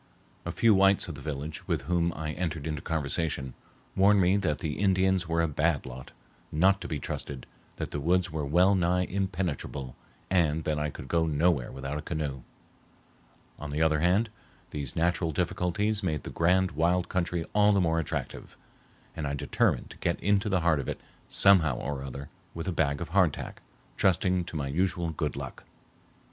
A few whites of the village, with whom I entered into conversation, warned me that the Indians were a bad lot, not to be trusted, that the woods were well nigh impenetrable, and that I could go nowhere without a canoe. On the other hand, these natural difficulties made the grand wild country all the more attractive, and I determined to get into the heart of it somehow or other with a bag of hardtack, trusting to my usual good luck.